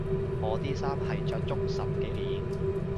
我啲衫係着足十幾年